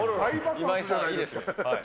今井さん、いいですね。